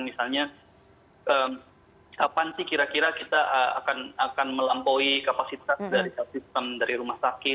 misalnya kapan sih kira kira kita akan melampaui kapasitas dari sistem dari rumah sakit